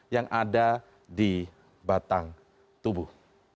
yang ada di batang tubuh